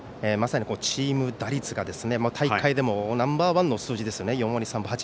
チーム打率が大会でもナンバー１の数字ですね。